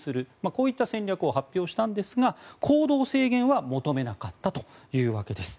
こういった戦略を発表したんですが、行動制限は求めなかったというわけです。